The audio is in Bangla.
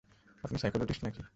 আপনি সাইকোলজিস্ট নাকি?